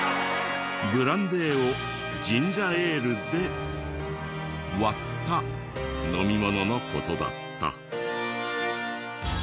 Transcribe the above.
ブランデーをジンジャーエールで割った飲み物の事だった。